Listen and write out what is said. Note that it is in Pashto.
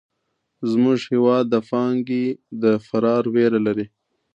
زموږ هېواد د پانګې د فرار وېره لري.